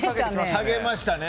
下げましたね。